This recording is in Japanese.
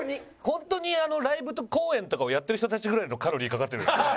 ホントにライブ公演とかをやってる人たちぐらいのカロリーかかってるよね。